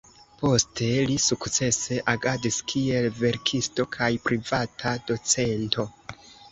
Poste li sukcese agadis kiel verkisto kaj privata docento.